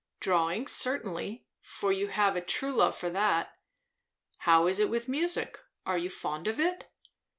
Drawing, certainly, for you have a true love for that. How is it with music? Are you fond of it?"